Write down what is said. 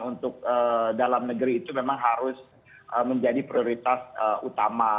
untuk dalam negeri itu memang harus menjadi prioritas utama